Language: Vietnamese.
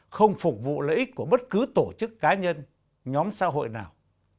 không phục vụ lợi ích của bất cứ tổ chức cá nhân nhóm xã hội nào